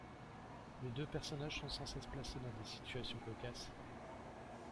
Les deux personnages sont sans cesse placés dans des situations cocasses.